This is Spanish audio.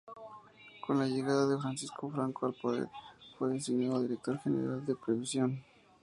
Con la llegada de Francisco Franco al poder, fue designado director general de Previsión.